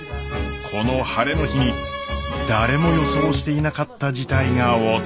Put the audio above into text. この晴れの日に誰も予想していなかった事態が訪れようとしていました。